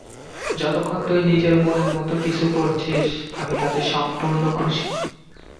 যতক্ষণ তুই নিজের মনের মতো কিছু করছিস, আমি তাতে সম্পূর্ণ খুশি।